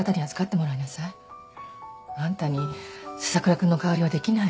あんたに笹倉君の代わりはできないわよ。